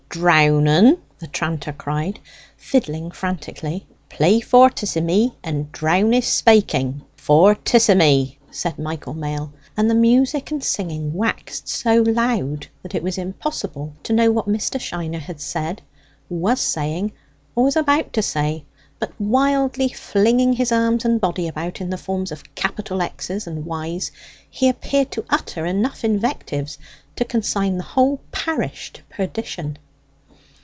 drown en!" the tranter cried, fiddling frantically. "Play fortissimy, and drown his spaking!" "Fortissimy!" said Michael Mail, and the music and singing waxed so loud that it was impossible to know what Mr. Shiner had said, was saying, or was about to say; but wildly flinging his arms and body about in the forms of capital Xs and Ys, he appeared to utter enough invectives to consign the whole parish to perdition.